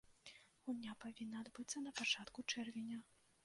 Гульня павінна адбыцца на пачатку чэрвеня.